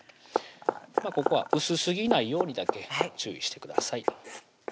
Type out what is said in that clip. ここは薄すぎないようにだけ注意してください